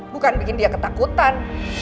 bukan bikin dia ketakutan